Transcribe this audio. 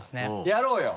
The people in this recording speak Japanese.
やろうよ。